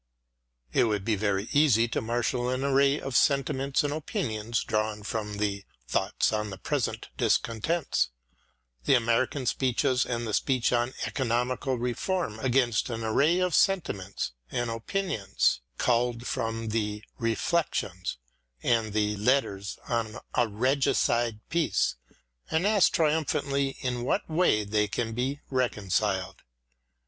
It would be very easy to marshal an array of sentiments and opinions drawn from the " Thoughts on the ... Present Discontents," the American speeches, and the speech on Economical Reform against an array of sentiments and opinions culled from the " Reflections " and th s " Letters on a Regicide Peace," and ask trium phantly in what way they can be reconciled.